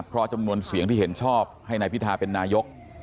เพราะจำนวนเสียงที่เห็นชอบให้นายพิทาเป็นนายก